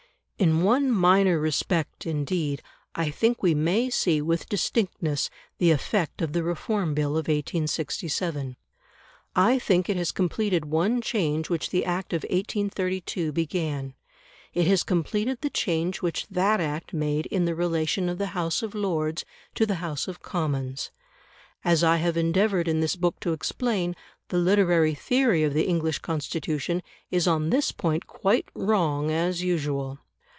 In one minor respect, indeed, I think we may see with distinctness the effect of the Reform Bill of 1867. I think it has completed one change which the Act of 1832 began; it has completed the change which that Act made in the relation of the House of Lords to the House of Commons. As I have endeavoured in this book to explain, the literary theory of the English Constitution is on this point quite wrong as usual.